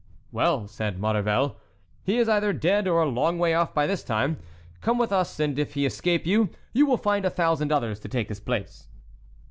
"Well," said Maurevel, "he is either dead or a long way off by this time. Come with us; and if he escape you, you will find a thousand others to take his place."